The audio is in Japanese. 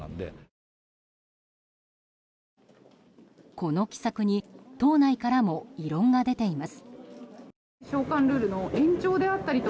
この奇策に党内からも異論が出ています。